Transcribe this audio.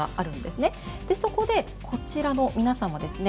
そこでこちらの皆さんもですね